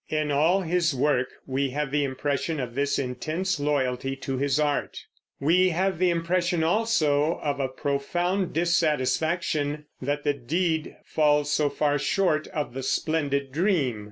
In all his work we have the impression of this intense loyalty to his art; we have the impression also of a profound dissatisfaction that the deed falls so far short of the splendid dream.